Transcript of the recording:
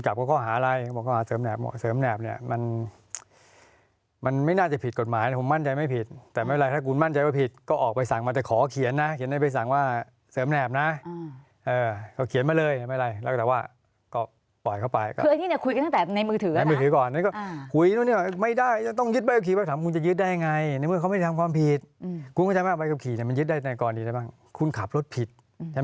เขาเขียนนะเขียนในใบสั่งว่าเสริมแนบนะอืมเออเขาเขียนมาเลยไม่ไรแล้วก็แต่ว่าก็ปล่อยเขาไปก็คืออันนี้เนี้ยคุยกันตั้งแต่ในมือถือกันนะในมือถือก่อนแล้วก็อ่าคุยไม่ได้ต้องยึดใบขับขี่ไปถามคุณจะยึดได้ไงในเมื่อเขาไม่ได้ทำความผิดอืมคุณเข้าใจไหมว่าใบขับขี่เนี้ยมันยึ